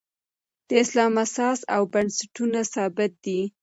د اسلام اساس او بنسټونه ثابت دي.